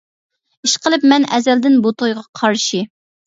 -ئىشقىلىپ مەن ئەزەلدىن بۇ تويغا قارشى.